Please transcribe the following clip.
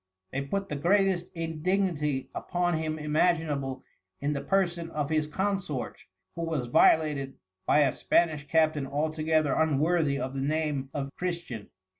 They put the greatest Indignity upon him imaginable in the person of his Consort who was violated by a Spanish Captain altogether unworthy of the Name of Christian.